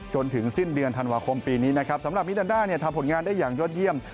จนถึงสิ้นเดือนธันวาคมปีนี้นะครับสำหรับมิดันดาเนี่ยทำผลงานได้อย่างยอดเยี่ยม